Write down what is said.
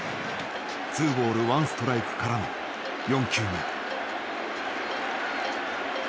ツーボールワンストライクからの４球目。